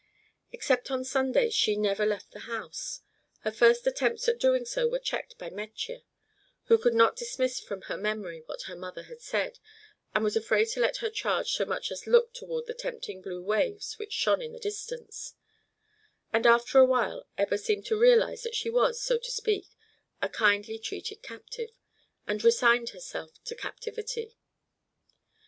Except on Sundays she never left the house. Her first attempts at doing so were checked by Metje, who could not dismiss from her memory what her mother had said, and was afraid to let her charge so much as look toward the tempting blue waves which shone in the distance; and after a while Ebba seemed to realize that she was, so to speak, a kindly treated captive, and resigned herself to captivity.